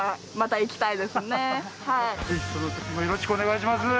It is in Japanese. ぜひそのときもよろしくお願いします。